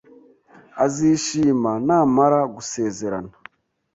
Azishima namara gusezerana.